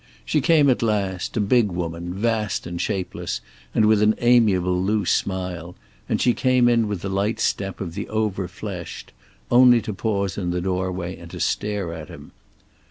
She came at last, a big woman, vast and shapeless and with an amiable loose smile, and she came in with the light step of the overfleshed, only to pause in the doorway and to stare at him.